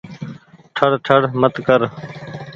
ٺڙ ٺڙ مت ڪر ۔